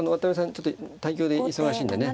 ちょっと対局で忙しいんでね